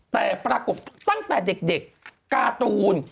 แต่ปรากฏตั้งแต่เด็กการ์ตูน